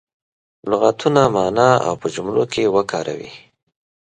لغتونه معنا او په جملو کې وکاروي.